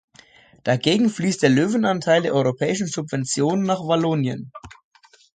Dagegen fließt der Löwenanteil der europäischen Subventionen nach Wallonien.